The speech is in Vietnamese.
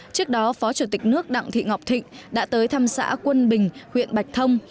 trước đó phó chủ tịch nước đặng thị ngọc thịnh đã tới thăm xã quân bình huyện bạch thông